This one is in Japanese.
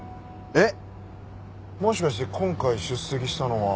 えっ？